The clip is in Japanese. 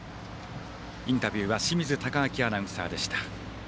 インタビューは清水敬亮アナウンサーでした。